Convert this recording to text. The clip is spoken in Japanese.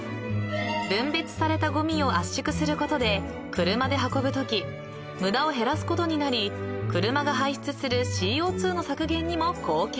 ［分別されたごみを圧縮することで車で運ぶとき無駄を減らすことになり車が排出するＣＯ２の削減にも貢献］